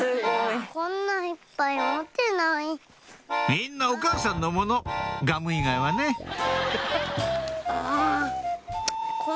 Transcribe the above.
みんなお母さんのものガム以外はねもう。